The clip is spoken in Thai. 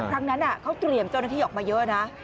ครั้งนั้นเขาเตรียมเจ้าหน้าที่ออกมาเยอะนะ